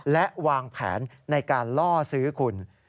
และวางแผนในการล่อซื้อคุณ